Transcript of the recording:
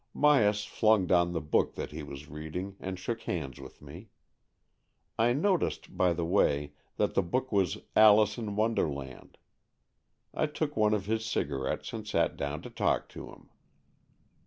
Myas flung down the book that he was reading, and shook hands with me. I noticed, by the way, that the book was Alice in W onderland. I took one of his cigarettes, and sat down to talk to him.